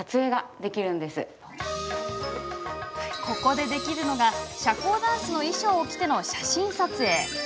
ここでできるのが社交ダンスの衣装を着ての写真撮影。